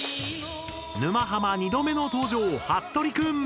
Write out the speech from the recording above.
「沼ハマ」２度目の登場ハットリくん。